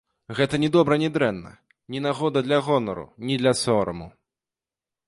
Гэта ні добра, ні дрэнна, ні нагода для гонару, ні для сораму.